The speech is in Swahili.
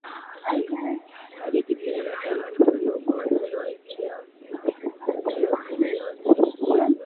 hadi tisini na tano aliteuliwa kuwa Waziri wa Nchi Ofisi ya Waziri Mkuu na